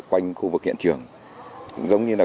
bản văn bản đeo hai